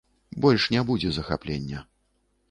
Больш не будзе захаплення.